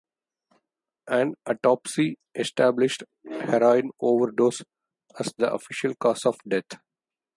An autopsy established heroin overdose as the official cause of death.